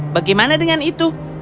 bagaimana dengan itu